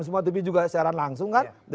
semua tv juga siaran langsung kan